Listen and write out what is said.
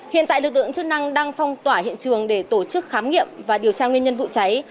hiện tại lực lượng chức năng đang phong tỏa hiện trường để tổ chức khám nghiệm và điều tra nguyên nhân vụ cháy